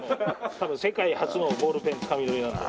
多分世界初のボールペンつかみ取りなんで。